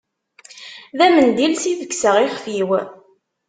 D amendil s i begseɣ ixf-iw.